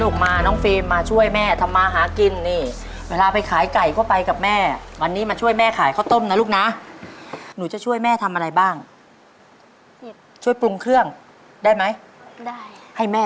เขาไม่ออกก็เพราะลูกค้าเยอะ